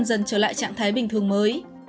dần trở lại trạng thái bình thường mới